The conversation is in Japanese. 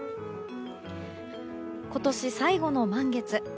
今年最後の満月。